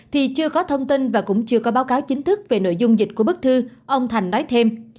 thì chưa có thông tin và cũng chưa có báo cáo chính thức về nội dung dịch của bức thư ông thành nói thêm